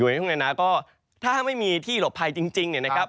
ในทุ่งนาก็ถ้าไม่มีที่หลบภัยจริงเนี่ยนะครับ